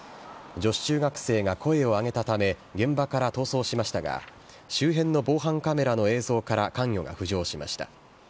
女子中学生が声を上げたため、現場から逃走しましたが、周辺の防犯カメラの映像から関与が浮上しました。